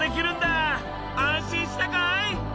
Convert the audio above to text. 安心したかい？